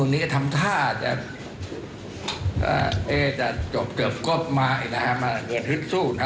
และไม่เห็นใจผู้เข้าร่วมประปูธ